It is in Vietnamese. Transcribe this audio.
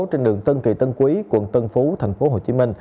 trên đường tân kỳ tân quý quận tân phú tp hcm